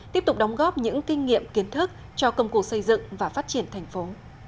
tiếp tục đóng góp những kinh nghiệm kiến thức cho công cụ xây dựng và phát triển thành phố